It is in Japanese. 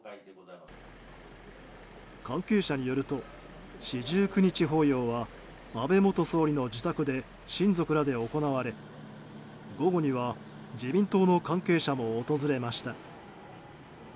関係者によると四十九日法要は安倍元総理の自宅で親族らで行われ午後には自民党の関係者も訪れました。